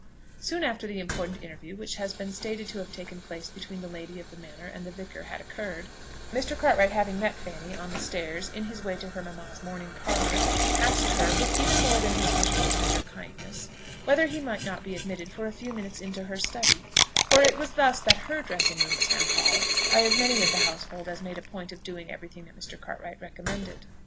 Soon after the important interview which has been stated to have taken place between the lady of the manor and the vicar had occurred, Mr. Cartwright having met Fanny on the stairs in his way to her mamma's morning parlour, asked her, with even more than his usual tender kindness, whether he might not be admitted for a few minutes into her "study;" for it was thus that her dressing room was now called by as many of the household as made a point of doing every thing that Mr. Cartwright recommended.